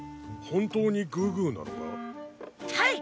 本当にグーグーなのか⁉はい！